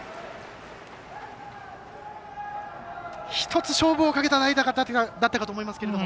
１つ、勝負をかけた代打だったかと思いますけど。